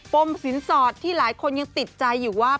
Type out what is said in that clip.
มสินสอดที่หลายคนยังติดใจอยู่ว่า